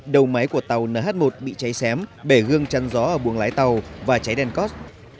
đầu máy của tàu nh một bị cháy xém bể gương chăn gió ở buồng lái tàu và cháy đen cot